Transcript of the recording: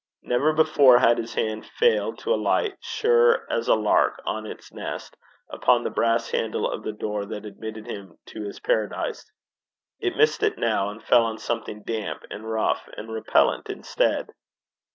Never before had his hand failed to alight, sure as a lark on its nest, upon the brass handle of the door that admitted him to his paradise. It missed it now, and fell on something damp, and rough, and repellent instead.